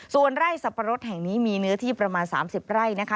ส่วนไร่สับปะรดแห่งนี้มีเนื้อที่ประมาณ๓๐ไร่นะคะ